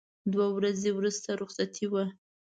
دوه ورځې وروسته رخصتي وه.